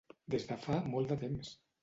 Des de fa molt de temps.